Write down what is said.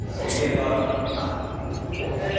威厳がある感じで。